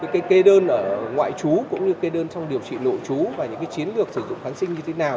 cái kê đơn ở ngoại chú cũng như kê đơn trong điều trị nội chú và những chiến lược sử dụng kháng sinh như thế nào